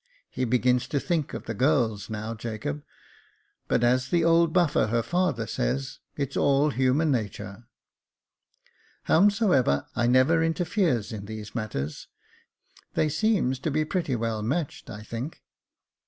He begins to think of the girls now, Jacob ; but, as the old buffer, her father says, * it's all human natur.' Howsomever, I never interferes in these matters j they seems to be pretty well matched, I think."